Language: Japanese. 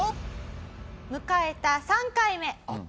迎えた３回目。